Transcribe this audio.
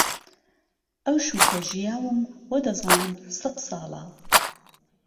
ئهوشوکه ژییاوم وهدهزانم سەت ساڵە